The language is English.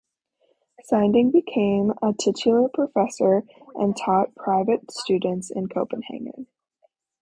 Sinding became a titular professor and taught private students in Copenhagen.